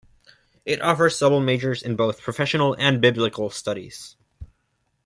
It offers double majors in both professional and biblical studies.